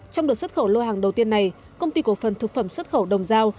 trong đợt xuất khẩu lô hàng đầu tiên này công ty cổ phần thực phẩm xuất khẩu đồng giao